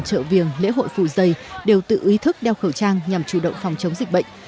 trợ viềng lễ hội phụ giày đều tự ý thức đeo khẩu trang nhằm chủ động phòng chống dịch bệnh